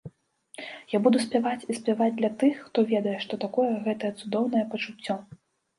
Я буду спяваць і спяваць для тых, хто ведае што такое гэтае цудоўнае пачуццё!